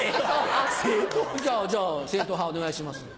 じゃあじゃあ正統派お願いします。